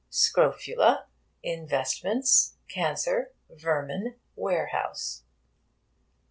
Scrofula, investments, cancer, vermin, warehouse.